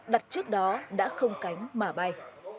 đặt trước đó đã không cánh mà bay